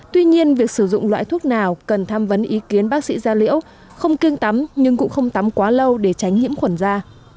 tuy nhiên việc sử dụng loại thuốc nào cần tham vấn ý kiến bác sĩ da liễu không kiêng tắm nhưng cũng không tắm quá lâu để tránh nhiễm khuẩn da